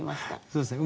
そうですね。